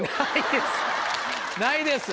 ないです。